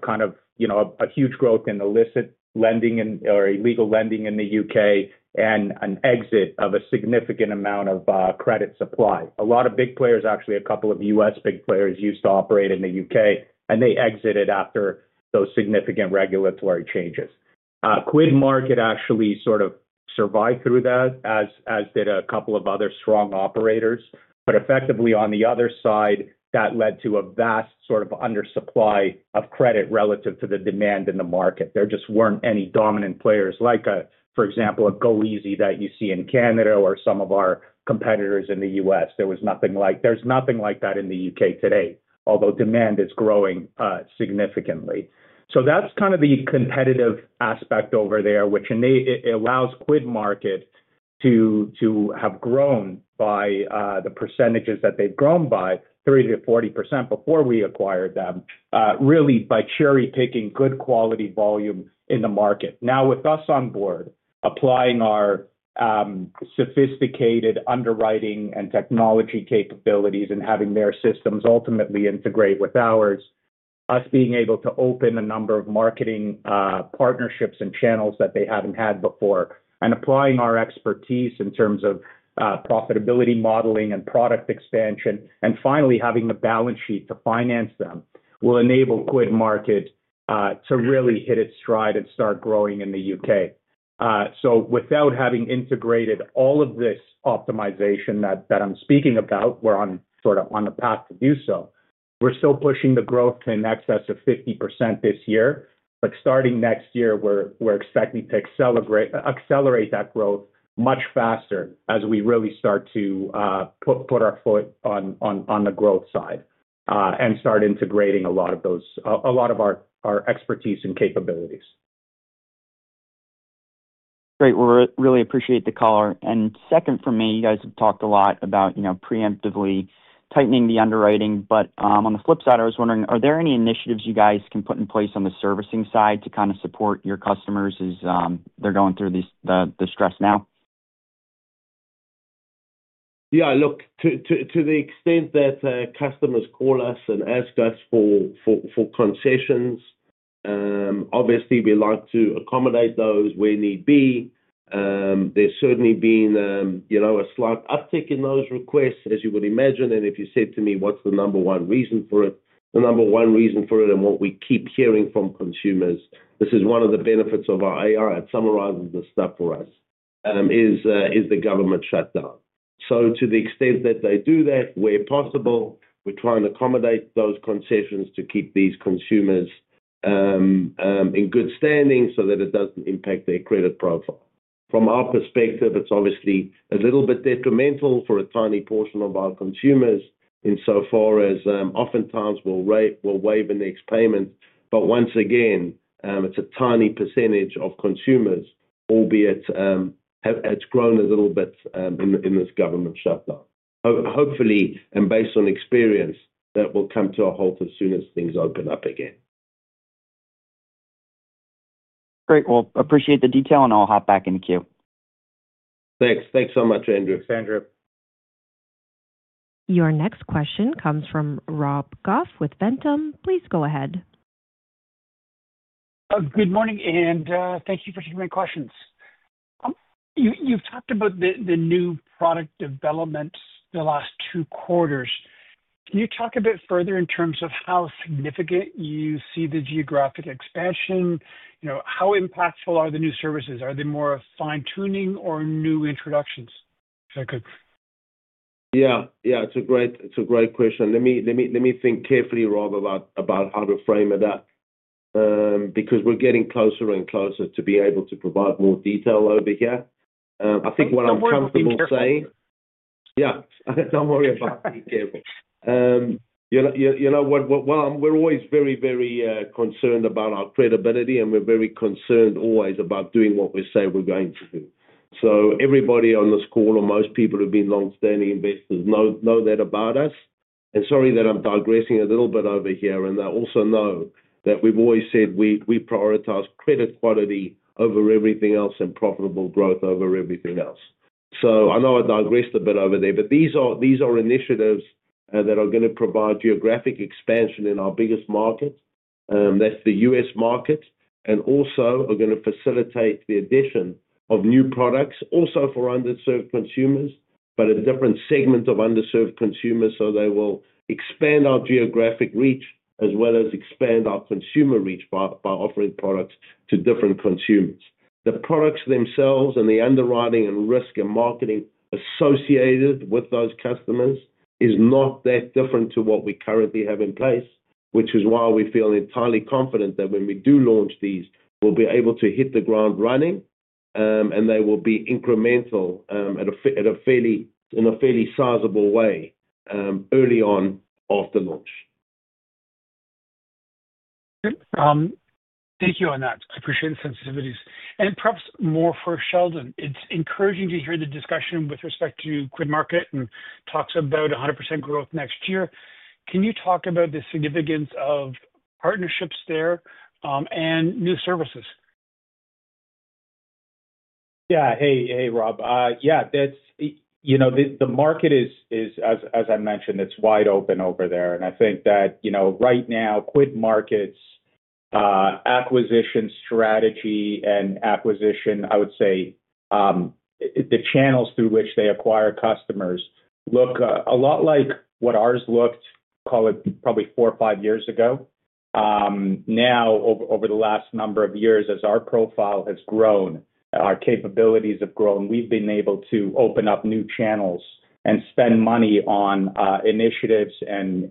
huge growth in illicit lending or illegal lending in the U.K. and an exit of a significant amount of credit supply. A lot of big players, actually a couple of U.S. big players, used to operate in the U.K., and they exited after those significant regulatory changes. QuidMarkets actually sort of survived through that, as did a couple of other strong operators. Effectively, on the other side, that led to a vast sort of undersupply of credit relative to the demand in the market. There just were not any dominant players, like, for example, a goeasy that you see in Canada or some of our competitors in the U.S. There was nothing like—there's nothing like that in the U.K. today, although demand is growing significantly. So that's kind of the competitive aspect over there, which allows QuidMarket to have grown by the percentages that they've grown by, 30% - 40% before we acquired them, really by cherry-picking good quality volume in the market. Now, with us on board, applying our sophisticated underwriting and technology capabilities and having their systems ultimately integrate with ours, us being able to open a number of marketing partnerships and channels that they haven't had before, and applying our expertise in terms of profitability modeling and product expansion, and finally, having the balance sheet to finance them will enable QuidMarket to really hit its stride and start growing in the U.K. So without having integrated all of this optimization that I'm speaking about, we're sort of on the path to do so. We're still pushing the growth to an excess of 50% this year, but starting next year, we're expecting to accelerate that growth much faster as we really start to put our foot on the growth side and start integrating a lot of those, a lot of our expertise and capabilities. Great. We really appreciate the call. Second for me, you guys have talked a lot about preemptively tightening the underwriting. On the flip side, I was wondering, are there any initiatives you guys can put in place on the servicing side to kind of support your customers as they're going through the stress now? Yeah. Look, to the extent that customers call us and ask us for concessions, obviously, we like to accommodate those where need be. There's certainly been a slight uptick in those requests, as you would imagine. If you said to me, "What's the number one reason for it?" The number one reason for it, and what we keep hearing from consumers, this is one of the benefits of our AI that summarizes this stuff for us, is the government shutdown. To the extent that they do that, where possible, we're trying to accommodate those concessions to keep these consumers in good standing so that it doesn't impact their credit profile. From our perspective, it's obviously a little bit detrimental for a tiny portion of our consumers in so far as oftentimes we'll waive an expayment. Once again, it's a tiny percentage of consumers, albeit it's grown a little bit in this government shutdown. Hopefully, and based on experience, that will come to a halt as soon as things open up again. Great. I appreciate the detail, and I'll hop back in the queue. Thanks. Thanks so much, Andrew. Thanks, Andrew. Your next question comes from Rob Goff with Ventum. Please go ahead. Good morning, and thank you for taking my questions. You've talked about the new product developments the last two quarters. Can you talk a bit further in terms of how significant you see the geographic expansion? How impactful are the new services? Are they more fine-tuning or new introductions? Yeah. Yeah. It's a great question. Let me think carefully, Rob, about how to frame it up. Because we're getting closer and closer to being able to provide more detail over here. I think what I'm comfortable saying— Yeah. Don't worry about being careful. You know what? We're always very, very concerned about our credibility, and we're very concerned always about doing what we say we're going to do. Everybody on this call, or most people who have been long-standing investors, know that about us. Sorry that I am digressing a little bit over here, and I also know that we have always said we prioritize credit quality over everything else and profitable growth over everything else. I know I digressed a bit over there, but these are initiatives that are going to provide geographic expansion in our biggest market. That is the U.S. market. We are also going to facilitate the addition of new products also for underserved consumers, but a different segment of underserved consumers. They will expand our geographic reach as well as expand our consumer reach by offering products to different consumers. The products themselves and the underwriting and risk and marketing associated with those customers is not that different to what we currently have in place, which is why we feel entirely confident that when we do launch these, we will be able to hit the ground running, and they will be incremental in a fairly sizable way. Early on after launch. Thank you on that. I appreciate the sensitivities. And perhaps more for Sheldon. It is encouraging to hear the discussion with respect to QuidMarket and talks about 100% growth next year. Can you talk about the significance of partnerships there and new services? Yeah. Hey, Rob. Yeah. The market is, as I mentioned, it is wide open over there. And I think that right now, QuidMarket's acquisition strategy and acquisition, I would say. The channels through which they acquire customers look a lot like what ours looked, call it probably four or five years ago. Now, over the last number of years, as our profile has grown, our capabilities have grown, we've been able to open up new channels and spend money on initiatives and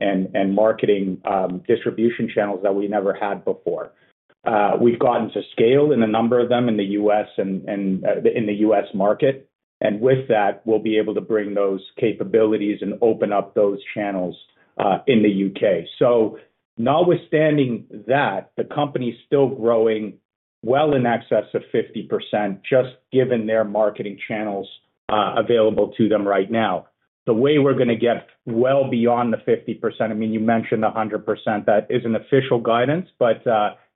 marketing distribution channels that we never had before. We've gotten to scale in a number of them in the U.S. and in the U.S. market. With that, we'll be able to bring those capabilities and open up those channels in the U.K. Notwithstanding that, the company is still growing well in excess of 50%, just given their marketing channels available to them right now. The way we're going to get well beyond the 50%, I mean, you mentioned 100%, that is not official guidance.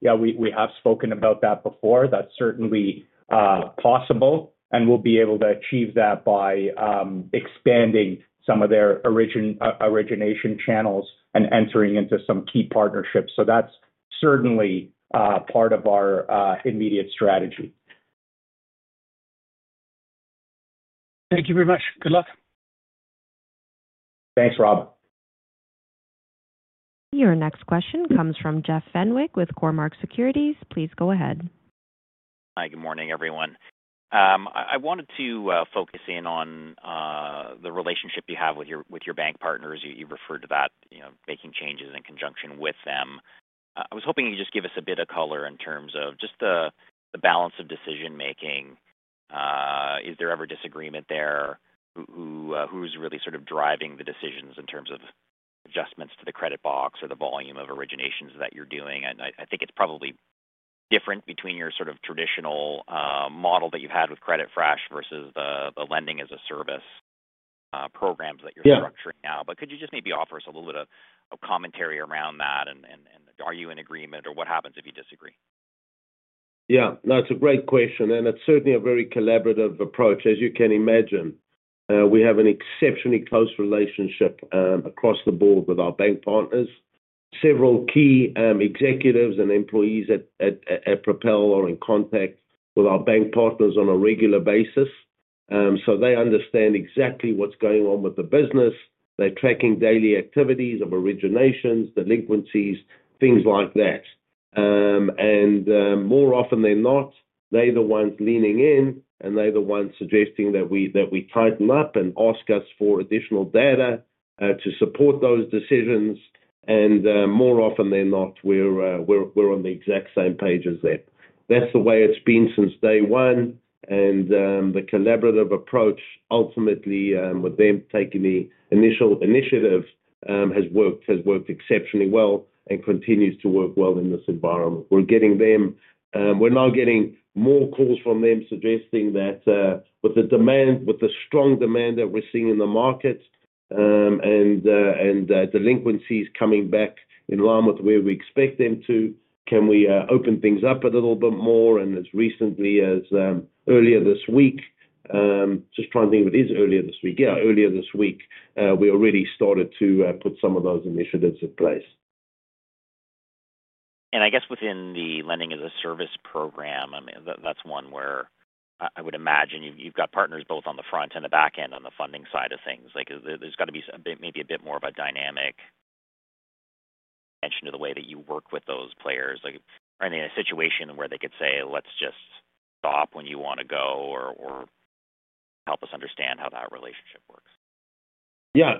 Yeah, we have spoken about that before. That's certainly. Possible, and we'll be able to achieve that by expanding some of their origination channels and entering into some key partnerships. That's certainly part of our immediate strategy. Thank you very much. Good luck. Thanks, Rob. Your next question comes from Jeff Fenwick with Cormark Securities. Please go ahead. Hi. Good morning, everyone. I wanted to focus in on the relationship you have with your bank partners. You referred to that, making changes in conjunction with them. I was hoping you could just give us a bit of color in terms of just the balance of decision-making. Is there ever disagreement there? Who's really sort of driving the decisions in terms of adjustments to the credit box or the volume of originations that you're doing? I think it's probably different between your sort of traditional model that you've had with CreditFresh versus the lending-as-a-service. Programs that you're structuring now. Could you just maybe offer us a little bit of commentary around that? Are you in agreement, or what happens if you disagree? Yeah. That's a great question. It's certainly a very collaborative approach. As you can imagine, we have an exceptionally close relationship across the board with our bank partners. Several key executives and employees at Propel are in contact with our bank partners on a regular basis. They understand exactly what's going on with the business. They're tracking daily activities of originations, delinquencies, things like that. More often than not, they're the ones leaning in, and they're the ones suggesting that we tighten up and ask us for additional data to support those decisions. More often than not, we're on the exact same page as them. That's the way it's been since day one. The collaborative approach, ultimately, with them taking the initiative, has worked exceptionally well and continues to work well in this environment. We're now getting more calls from them suggesting that with the strong demand that we're seeing in the market and delinquencies coming back in line with where we expect them to, can we open things up a little bit more? As recently as earlier this week—just trying to think if it is earlier this week. Yeah, earlier this week, we already started to put some of those initiatives in place. I guess within the lending-as-a-service program, I mean, that's one where I would imagine you've got partners both on the front and the back end on the funding side of things. There's got to be maybe a bit more of a dynamic mention to the way that you work with those players. Are they in a situation where they could say, "Let's just stop when you want to go," or, "Help us understand how that relationship works?" Yeah.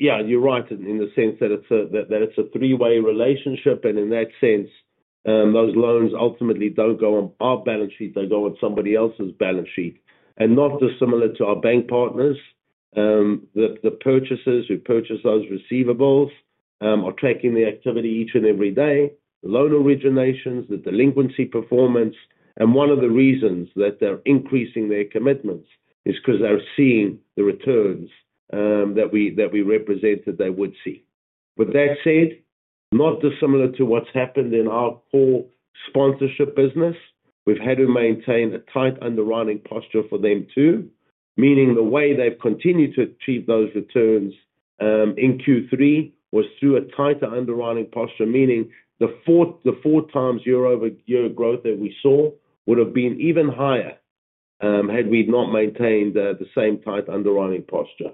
Yeah, you're right in the sense that it's a three-way relationship. In that sense, those loans ultimately don't go on our balance sheet. They go on somebody else's balance sheet. Not dissimilar to our bank partners, the purchasers who purchase those receivables are tracking the activity each and every day: loan originations, the delinquency performance. One of the reasons that they're increasing their commitments is because they're seeing the returns that we represented they would see. With that said, not dissimilar to what's happened in our core sponsorship business, we've had to maintain a tight underwriting posture for them too, meaning the way they've continued to achieve those returns. In Q3 was through a tighter underwriting posture, meaning the 4x year-over-year growth that we saw would have been even higher had we not maintained the same tight underwriting posture.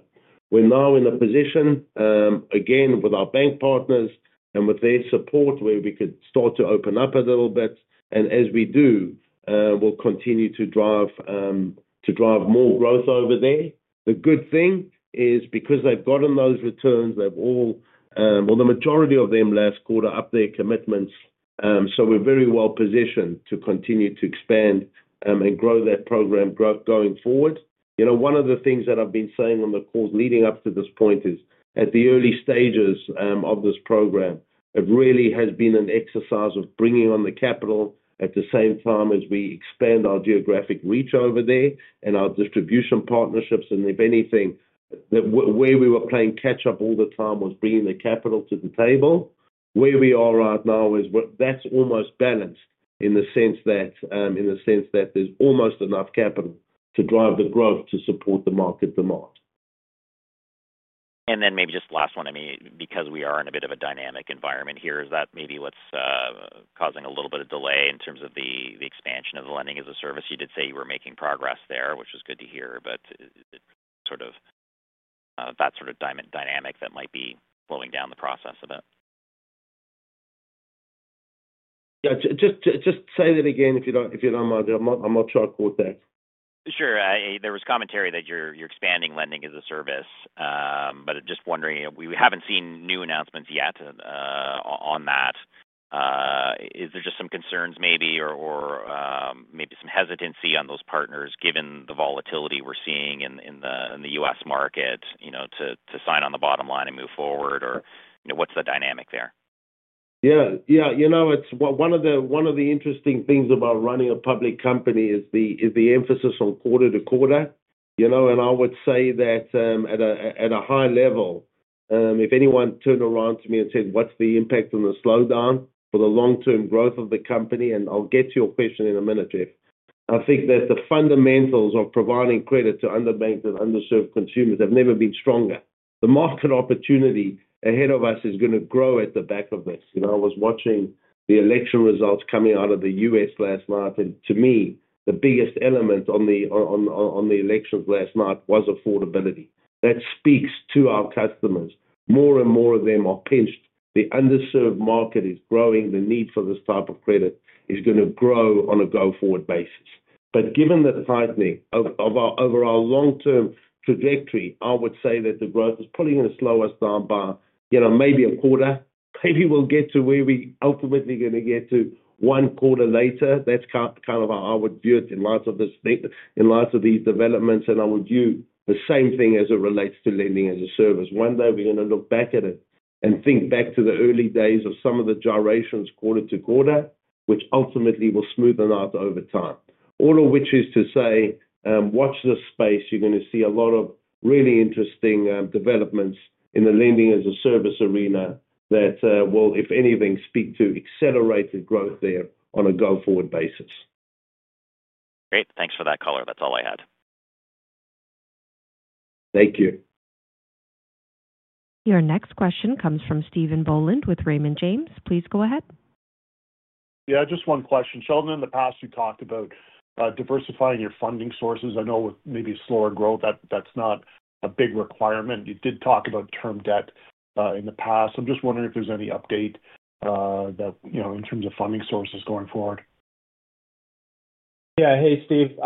We are now in a position, again, with our bank partners and with their support, where we could start to open up a little bit. As we do, we will continue to drive more growth over there. The good thing is because they have gotten those returns, they have all—well, the majority of them last quarter upped their commitments. We are very well positioned to continue to expand and grow that program going forward. One of the things that I've been saying on the calls leading up to this point is, at the early stages of this program, it really has been an exercise of bringing on the capital at the same time as we expand our geographic reach over there and our distribution partnerships. If anything, where we were playing catch-up all the time was bringing the capital to the table. Where we are right now is that's almost balanced in the sense that there's almost enough capital to drive the growth to support the market demand. Maybe just the last one, I mean, because we are in a bit of a dynamic environment here, is that maybe what's causing a little bit of delay in terms of the expansion of the lending-as-a-service? You did say you were making progress there, which was good to hear, but, sort of. That sort of dynamic that might be slowing down the process of it. Yeah. Just say that again if you do not mind. I am not sure I caught that. Sure. There was commentary that you are expanding lending-as-a-service, but just wondering, we have not seen new announcements yet. On that. Is there just some concerns maybe, or maybe some hesitancy on those partners, given the volatility we are seeing in the U.S. market, to sign on the bottom line and move forward? Or what is the dynamic there? Yeah. Yeah. One of the interesting things about running a public company is the emphasis on quarter to quarter. I would say that. At a high level, if anyone turned around to me and said, "What is the impact on the slowdown for the long-term growth of the company?" I will get to your question in a minute, Jeff. I think that the fundamentals of providing credit to underbanked and underserved consumers have never been stronger. The market opportunity ahead of us is going to grow at the back of this. I was watching the election results coming out of the U.S. last night. To me, the biggest element on the elections last night was affordability. That speaks to our customers. More and more of them are pinched. The underserved market is growing. The need for this type of credit is going to grow on a go-forward basis. Given the tightening of our long-term trajectory, I would say that the growth is pulling in a slow us down by maybe a quarter. Maybe we'll get to where we ultimately are going to get to one quarter later. That's kind of how I would view it in light of these developments. I would view the same thing as it relates to lending-as-a-service. One day, we are going to look back at it and think back to the early days of some of the gyrations quarter to quarter, which ultimately will smoothen out over time. All of which is to say, watch this space. You are going to see a lot of really interesting developments in the lending-as-a-service arena that will, if anything, speak to accelerated growth there on a go-forward basis. Great. Thanks for that, Clive. That is all I had. Thank you. Your next question comes from Stephen Boland with Raymond James. Please go ahead. Yeah. Just one question. Sheldon, in the past, you talked about diversifying your funding sources. I know with maybe slower growth, that is not a big requirement. You did talk about term debt in the past. I am just wondering if there is any update. In terms of funding sources going forward. Yeah. Hey, Steve.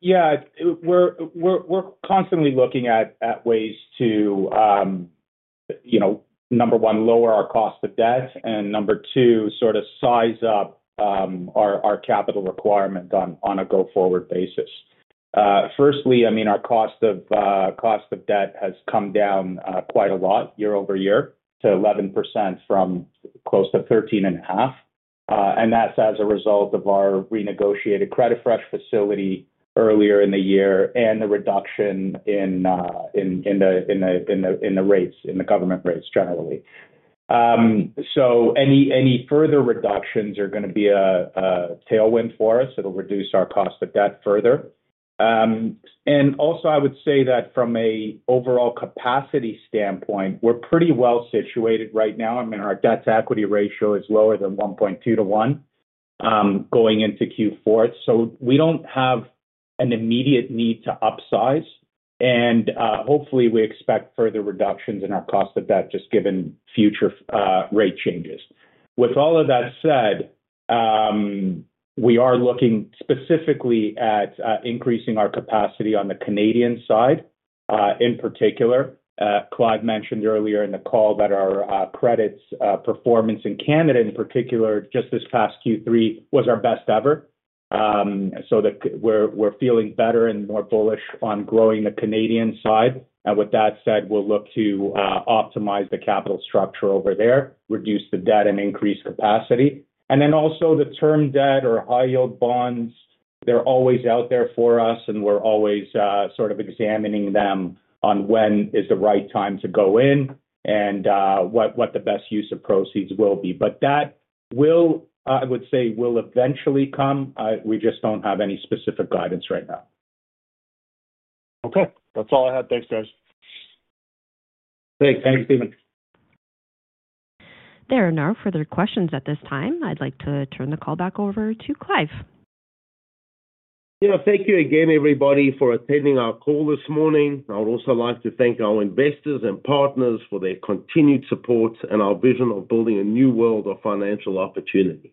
Yeah. We're constantly looking at ways to, number one, lower our cost of debt, and number two, sort of size up our capital requirement on a go-forward basis. Firstly, I mean, our cost of debt has come down quite a lot year-over-year to 11% from close to 13.5%. And that's as a result of our renegotiated CreditFresh facility earlier in the year and the reduction in the rates in the government rates generally. Any further reductions are going to be a tailwind for us. It'll reduce our cost of debt further. Also, I would say that from an overall capacity standpoint, we're pretty well situated right now. I mean, our debt-to-equity ratio is lower than 1.2 - 1 going into Q4. We do not have an immediate need to upsize. Hopefully, we expect further reductions in our cost of debt just given future rate changes. With all of that said, we are looking specifically at increasing our capacity on the Canadian side. In particular, Clive mentioned earlier in the call that our credits performance in Canada, in particular, just this past Q3, was our best ever. We are feeling better and more bullish on growing the Canadian side. With that said, we will look to optimize the capital structure over there, reduce the debt, and increase capacity. Also, the term debt or high-yield bonds, they are always out there for us, and we are always sort of examining them on when is the right time to go in and what the best use of proceeds will be. That, I would say, will eventually come. We just do not have any specific guidance right now. Okay, that is all I had. Thanks, guys. Thanks. Thanks, Stephen. There are no further questions at this time. I'd like to turn the call back over to Clive. Yeah. Thank you again, everybody, for attending our call this morning. I would also like to thank our investors and partners for their continued support and our vision of building a new world of financial opportunity.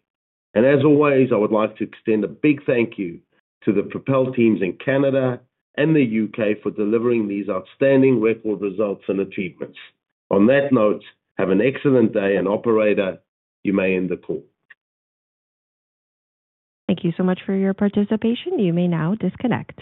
I would like to extend a big thank you to the Propel teams in Canada and the U.K. for delivering these outstanding record results and achievements. On that note, have an excellent day and operator, you may end the call. Thank you so much for your participation. You may now disconnect.